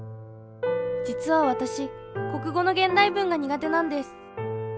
実は私国語の現代文が苦手なんです。